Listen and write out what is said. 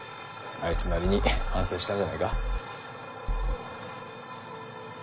あいつなりに反省したんじゃないか？